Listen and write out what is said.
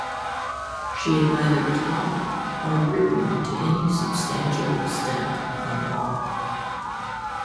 She had neither taught nor written to any substantial extent on law.